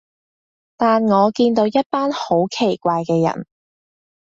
但我見到一班好奇怪嘅人